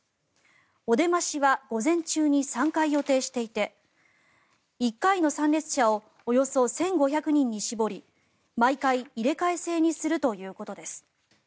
お出ましは午前中に３回予定していて１回の参列者をおよそ１５００人に絞り毎回、入れ替え制にするということです。